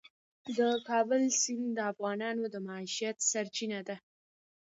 د کابل سیند د افغانانو د معیشت سرچینه ده.